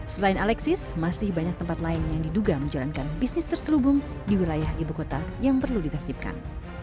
selain alexis masih banyak tempat lain yang diduga menjalankan bisnis terselubung di wilayah ibu kota yang perlu ditertibkan